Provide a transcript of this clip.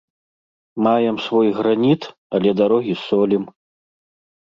Маем свой граніт, але дарогі солім.